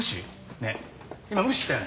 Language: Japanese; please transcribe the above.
ねえ今無視したよね？